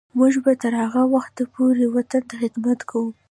موږ به تر هغه وخته پورې وطن ته خدمت کوو.